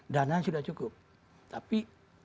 dana sudah cukup tapi